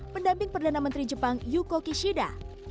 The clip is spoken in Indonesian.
pendamping perdana menteri jepang yuko kishida